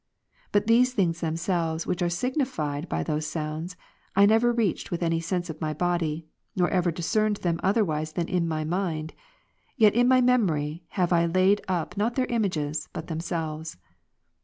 But the things themselves which are signified by those sounds, I never reached with any sense of my body, nor ever discerned them otherwise than in my mind ; yet in my memory have I laid up not their images, but themselves.